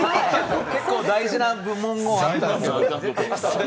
結構、大事な部門を。